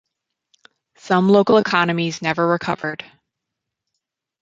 Some local economies never recovered.